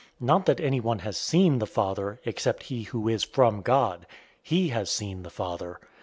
006:046 Not that anyone has seen the Father, except he who is from God. He has seen the Father.